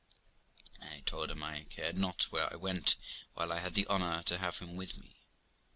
I told him I cared not where I went while I had the honour to have him with me.